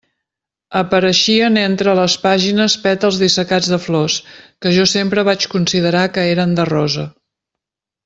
Apareixien entre les pàgines pètals dissecats de flors, que jo sempre vaig considerar que eren de rosa.